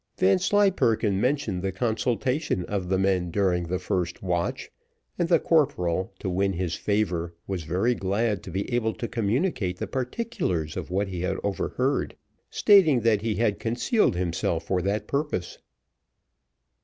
Vanslyperken mentioned the consultation of the men during the first watch, and the corporal, to win his favour, was very glad to be able to communicate the particulars of what he had overheard, stating that he had concealed himself for that purpose.